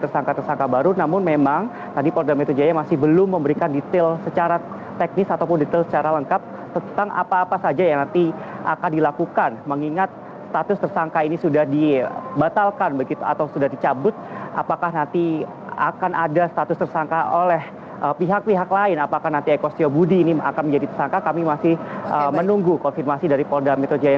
ada tersangka tersangka baru namun memang tadi polda metro jaya masih belum memberikan detail secara teknis ataupun detail secara lengkap tentang apa apa saja yang nanti akan dilakukan mengingat status tersangka ini sudah dibatalkan atau sudah dicabut apakah nanti akan ada status tersangka oleh pihak pihak lain apakah nanti eko sio budi ini akan menjadi tersangka kami masih menunggu konfirmasi dari polda metro jaya